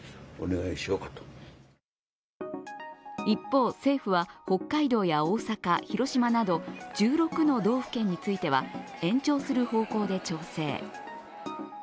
一方、政府は北海道や大阪、広島など１６の道府県については、延長する方向で調整。